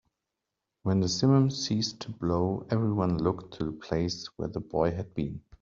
When the simum ceased to blow, everyone looked to the place where the boy had been.